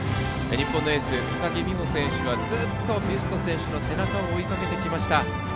日本のエース、高木美帆選手はずっとビュスト選手の背中を追いかけてきました。